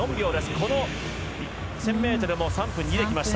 この１０００ｍでも３分２できました。